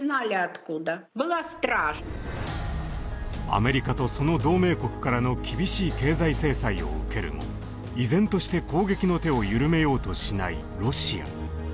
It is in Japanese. アメリカとその同盟国からの厳しい経済制裁を受けるも依然として攻撃の手を緩めようとしないロシア。